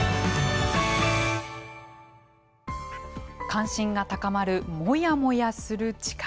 関心が高まるモヤモヤする力。